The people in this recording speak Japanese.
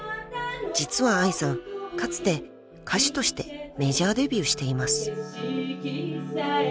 かつて歌手としてメジャーデビューしています］